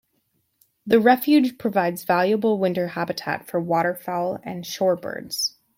The refuge provides valuable winter habitat for waterfowl and shorebirds.